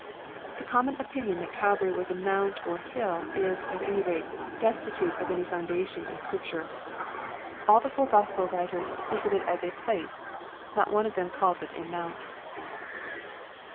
The common opinion thai Calvary was a mount or hiU is, at any rate, destitute of any fo :adation in Scripture. All the fou> k LUKE, CHAP. XXIII. 467 Gk>spol wi iters speak of it as '*a place." Not one of them calls it a " mount."